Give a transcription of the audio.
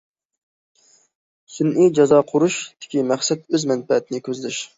سۈنئىي« چازا قۇرۇش» تىكى مەقسەت ئۆز مەنپەئەتىنى كۆزلەش.